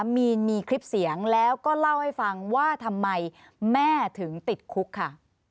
มีนมีคลิปเสียงแล้วก็เล่าให้ฟังว่าทำไมแม่ถึงติดคุกค่ะ